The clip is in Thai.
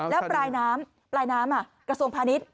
แล้วปลายน้ำปลายน้ำกระทรวงพาณิชย์